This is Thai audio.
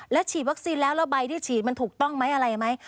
แล้วฉีดวัคซีนแล้วแล้วใบที่ฉีดมันถูกต้องไหมอะไรไหม